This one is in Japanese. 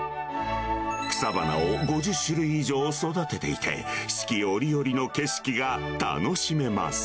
草花を５０種類以上育てていて、四季折々の景色が楽しめます。